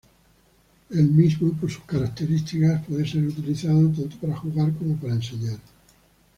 El mismo, por sus características, puede ser utilizado tanto para jugar, como para enseñar.